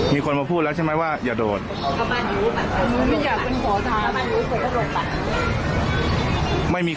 ปักกับเรือใหม่